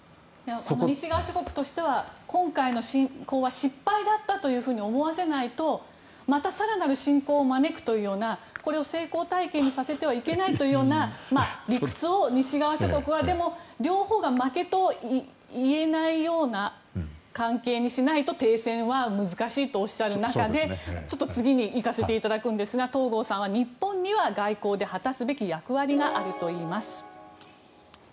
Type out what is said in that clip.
西側諸国としては今回の侵攻は失敗だったと思わせないとまた更なる侵攻を招くというようなこれを成功体験にさせてはいけないというような理屈を西側諸国はでも、両方が負けと言えないような関係にしないと停戦は難しいとおっしゃる中で次に行かせていただくんですが東郷さんは日本は外交で果たせる役割があるといいます。